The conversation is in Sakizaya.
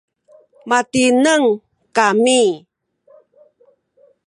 matineng kami